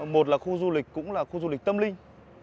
một là khu du lịch cũng là khu du lịch tâm linh